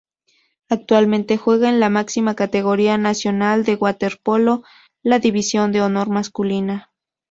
Actualmente juega en la máxima categoría nacional de waterpolo, la división de honor masculina.